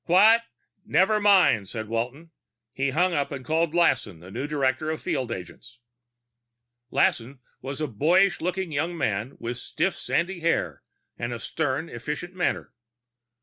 "What " "Never mind," said Walton. He hung up and called Lassen, the new director of field agents. Lassen was a boyish looking young man with stiff sandy hair and a sternly efficient manner.